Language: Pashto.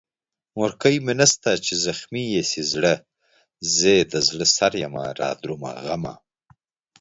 مورکۍ مې نسته چې زخمي يې سي زړه، زې دزړه سريمه رادرومه غمه